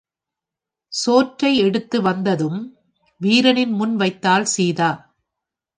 சோற்றை எடுத்து வந்ததும், வீரனின் முன் வைத்தாள் சீதா.